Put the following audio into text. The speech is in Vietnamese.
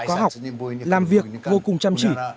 có học làm việc vô cùng chăm chỉ